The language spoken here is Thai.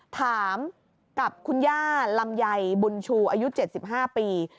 ถามกับคุณย่าลำไยบุญชูอายุ๗๕ปี